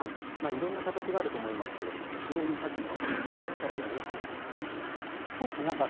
いろんな形があると思いますが非常に多岐にわたってこれだったらやりやすいなと思いませんか。